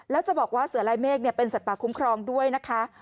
แล้วจะบอกว่าเสือลายเมฆเป็นสัตว์ป่าคุ้มครองด้วยนะคะ